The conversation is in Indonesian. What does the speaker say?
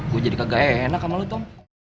gue jadi kagak enak sama lo tom